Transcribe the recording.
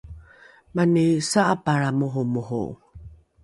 mani sa’apalra moromoro